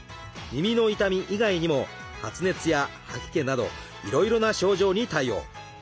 耳の痛み以外にも発熱や吐き気などいろいろな症状に対応。